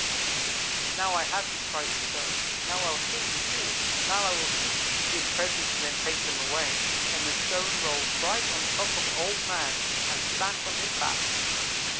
"'Now I have you!' cried the stone 'now I'll kill you, too! Now I will teach you to give presents and then take them away,' and the stone rolled right on top of Old man, and sat on his back.